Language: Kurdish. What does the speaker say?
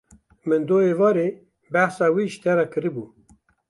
Min doh êvarî behsa wî ji te re kiribû.